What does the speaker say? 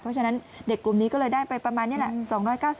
เพราะฉะนั้นเด็กกลุ่มนี้ก็เลยได้ไปประมาณนี้แหละ